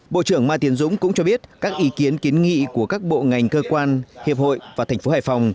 bộ trưởng mai tiến dũng cũng cho biết các ý kiến kiến nghị của các bộ ngành cơ quan hiệp hội và thành phố hải phòng